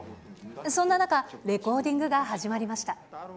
そんな中、レコーディングが始まりました。